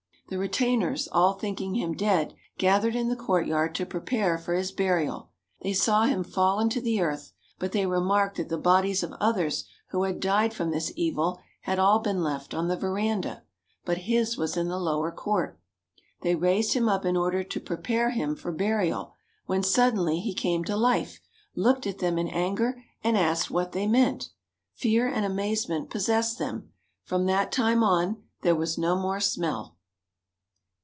The retainers, all thinking him dead, gathered in the courtyard to prepare for his burial. They saw him fallen to the earth, but they remarked that the bodies of others who had died from this evil had all been left on the verandah, but his was in the lower court. They raised him up in order to prepare him for burial, when suddenly he came to life, looked at them in anger, and asked what they meant. Fear and amazement possessed them. From that time on there was no more smell.